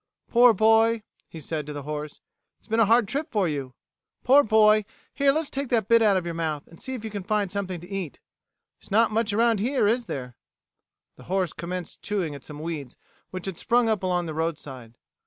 "Poor boy!" he said to the horse. "It's been a hard trip for you. Poor boy! Here, let's take that bit out of your mouth and see if you can find something to eat. There's not much around here, is there?" The horse commenced chewing at some weeds which had sprung up along the roadside.